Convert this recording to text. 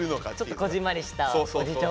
ちょっとこぢんまりしたおじいちゃん